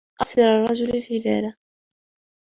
أَبْصَرَ الرَّجُلُ الْهِلاَلَ.